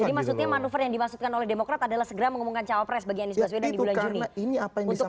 jadi manuver yang dimaksudkan oleh demokrat adalah segera mengumumkan cawapres bagi anies baswedan di bulan juni